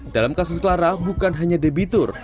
dalam kasus clara bukan hanya debitur